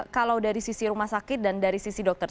kalau dari sisi rumah sakit dan dari sisi dokter